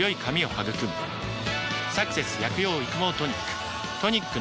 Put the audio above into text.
「サクセス薬用育毛トニック」